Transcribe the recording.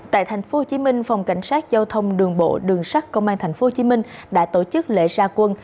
tại tp hcm phòng cảnh sát giao thông đường bộ đường sắt công an tp hcm đã tổ chức lễ ra quân